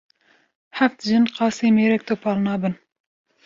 Heft jin qasê mêrek topal nabin